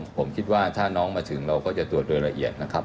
ผมคิดว่าถ้าน้องมาถึงเราก็จะตรวจโดยละเอียดนะครับ